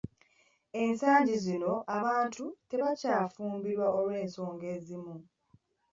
Ensangi zino abantu tebakyafumbirwa olw'ensonga ezimu.